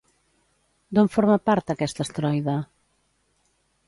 D'on forma part aquest astroide?